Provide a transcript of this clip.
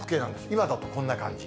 今だとこんな感じ。